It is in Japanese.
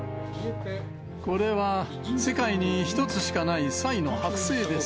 これは世界に一つしかないサイの剥製です。